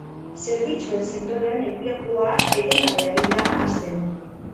zerbitzuen sektorean emplegua etengabe hari da hazten